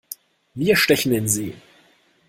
Wir stechen in See!